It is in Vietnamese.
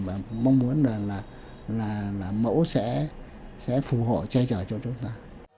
và mong muốn là mẫu sẽ phù hộ chơi trở cho chúng ta